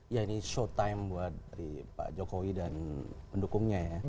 ya ini show time buat dari pak jokowi dan pendukungnya ya